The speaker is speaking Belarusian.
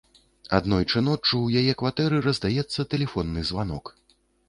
Аднойчы ноччу ў яе кватэры раздаецца тэлефонны званок.